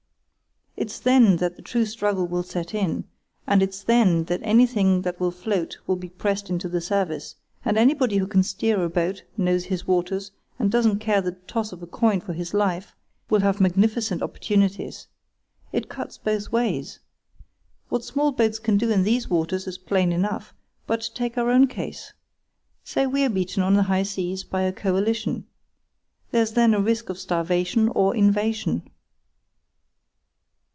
It's then that the true struggle will set in; and it's then that anything that will float will be pressed into the service, and anybody who can steer a boat, knows his waters, and doesn't care the toss of a coin for his life, will have magnificent opportunities. It cuts both ways. What small boats can do in these waters is plain enough; but take our own case. Say we're beaten on the high seas by a coalition. There's then a risk of starvation or invasion.